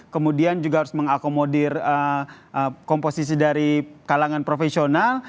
kemudian juga harus mengakomodir komposisi dari kalangan profesional